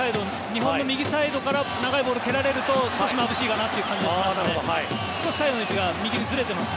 日本の右サイドから長いボールを蹴られると少しまぶしいかなという感じがします。